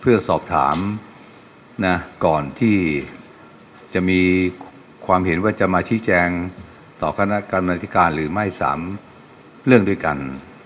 เพื่อสอบถามนะก่อนที่จะมีความเห็นว่าจะมาชี้แจงต่อคณะกรรมนาฬิการหรือไม่๓เรื่องด้วยกัน